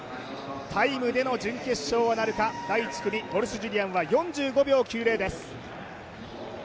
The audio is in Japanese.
タイムでの準決勝はなるか、第１組ウォルシュ・ジュリアンは４５秒９０です。